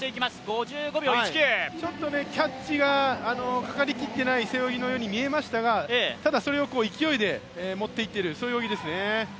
ちょっとキャッチがかかりきってない背泳ぎのように見えましたがただそれを勢いで持っていってるそういう泳ぎですね。